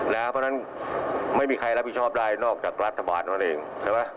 เพราะฉะนั้นไม่มีใครรับผิดชอบได้นอกจากรัฐบาลเท่านั้นเองใช่ไหม